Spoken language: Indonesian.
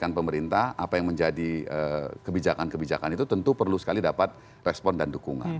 kebijakan pemerintah apa yang menjadi kebijakan kebijakan itu tentu perlu sekali dapat respon dan dukungan